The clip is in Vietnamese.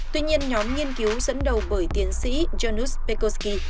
tuy nhiên nhóm nghiên cứu dẫn đầu bởi tiến sĩ jonas pekoski